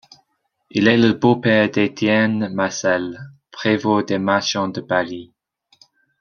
Il est le beau-père d'Étienne Marcel, prévôt des marchands de Paris.